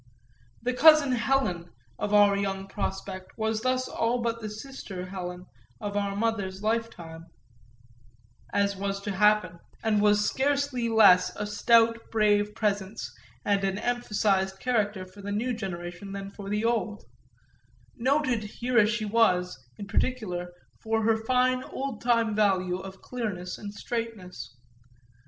The cousin Helen of our young prospect was thus all but the sister Helen of our mother's lifetime, as was to happen, and was scarcely less a stout brave presence and an emphasised character for the new generation than for the old; noted here as she is, in particular, for her fine old time value of clearness and straightness.